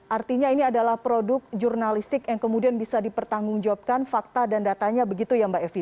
artinya ini adalah produk jurnalistik yang kemudian bisa dipertanggungjawabkan fakta dan datanya begitu ya mbak evi